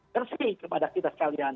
kersi kepada kita sekalian